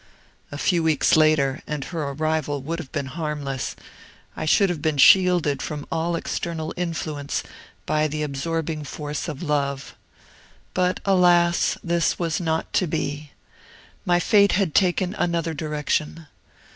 A few weeks later, and her arrival would have been harmless; I should have been shielded from all external influence by the absorbing force of love. But, alas! this was not to be. My fate had taken another direction.